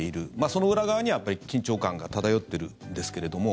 その裏側にはやっぱり緊張感が漂っているんですけれども。